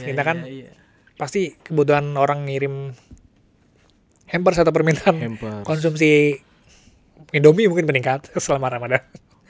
kita kan pasti kebutuhan orang ngirim hampers atau permintaan konsumsi indomie mungkin meningkat selama ramadan